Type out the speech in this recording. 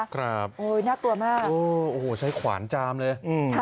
ครับโอ้โฮน่ากลัวมากใช้ขวานจามเลย